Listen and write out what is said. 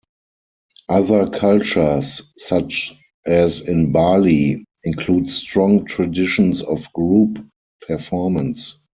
Other cultures, such as in Bali, include strong traditions of group performance.